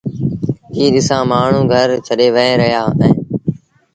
ڪيٚ ڏسآݩ مآڻهوٚݩ گھر ڇڏي وهي رهيآ اهيݩ